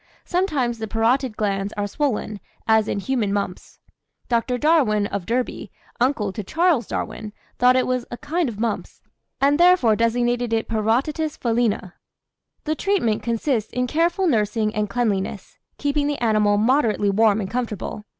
Sometimes the parotid glands are swollen, as in human mumps. Dr. Darwin, of Derby, uncle to Charles Darwin, thought it was a kind of mumps, and therefore designated it Parotitis felina. "The treatment consists in careful nursing and cleanliness, keeping the animal moderately warm and comfortable.